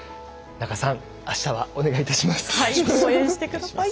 仲さんあしたはお願いいたします。